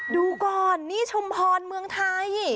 ดูก่อนนี่ชุมพรเมืองไทย